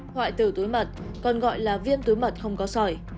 hoại tử túi mật còn gọi là viêm túi mật không có sỏi